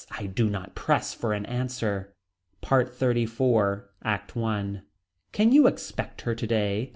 I do not press for an answer. PART XXXIV. ACT I. Can you expect her today.